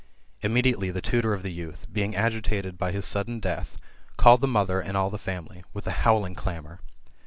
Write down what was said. Immediately the tutor of the youth, being agitated by his sudden death, called the mother and all the family, with a howling clamour.